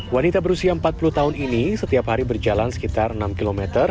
wanita berusia empat puluh tahun ini setiap hari berjalan sekitar enam km